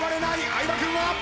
相葉君は？